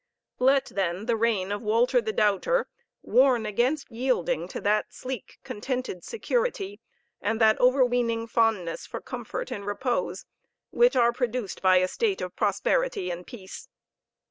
Let then the reign of Walter the Doubter warn against yielding to that sleek, contented security, and that overweening fondness for comfort and repose, which are produced by a state of prosperity and peace.